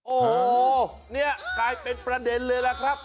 โอ้โหนี่กลายเป็นประเด็นเลยล่ะครับ